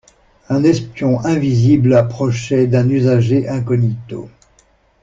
Un espion invisible approchait d'un usager incognito.